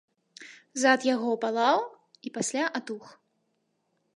Зад яго палаў і пасля атух.